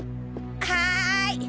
はい。